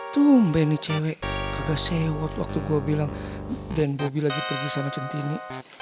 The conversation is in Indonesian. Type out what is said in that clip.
tum benih cewek gak sewot waktu gue bilang dan bobi lagi pergi sama centini